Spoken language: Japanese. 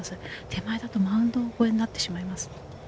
手前だとマウンド越えになってしまいます。